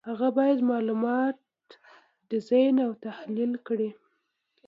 هغه باید معلومات ډیزاین او تحلیل کړي.